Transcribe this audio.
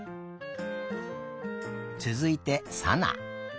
つづいてさな。